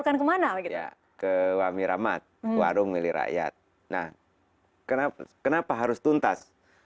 kenapa harus tuntas